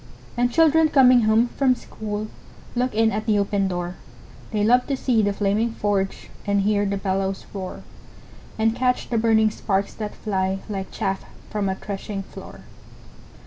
And children coming home from school Look in at the open door; They love to see the flaming forge, And hear the bellows roar, And catch the burning sparks that fly, Like chaff from a threshing floor.